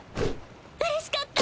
うれしかった。